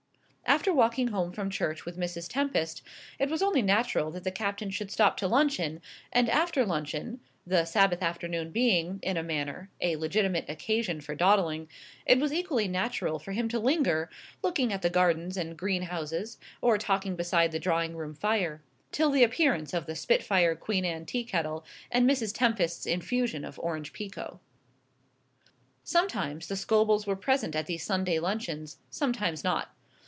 After walking home from church with Mrs. Tempest, it was only natural that the Captain should stop to luncheon, and after luncheon the Sabbath afternoon being, in a manner, a legitimate occasion for dawdling it was equally natural for him to linger, looking at the gardens and greenhouses, or talking beside the drawing room fire, till the appearance of the spitfire Queen Anne tea kettle and Mrs. Tempest's infusion of orange pekoe. Sometimes the Scobels were present at these Sunday luncheons, sometimes not.